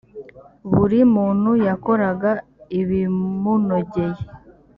buri muntu yakoraga ibimunogeye